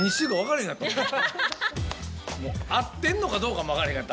もう合ってんのかどうかも分からへんかった。